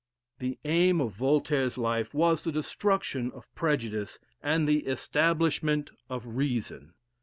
The aim of Voltaire's life was the destruction of prejudice and the establishment of Reason.